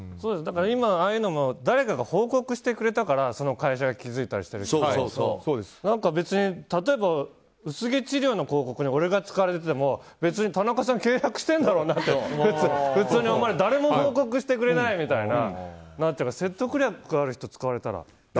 今、ああいうのも誰かが報告してくれたからその会社が気づいたりしてるけど別に、例えば薄毛治療の広告に俺が使われてても別に田中さん契約してるんだろうなって普通に思われて誰も報告してくれないみたいになっちゃうから説得力ある人が使われたらね。